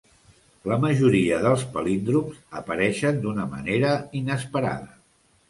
La majoria dels palíndroms apareixen d'una manera inesperada.